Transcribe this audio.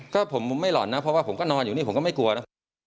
ก็ผมไม่หล่อนนะเพราะว่าผมก็นอนอยู่นี่ผมก็ไม่กลัวนะ